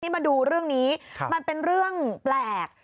มาดูเรื่องนี้มันเป็นเรื่องแปลก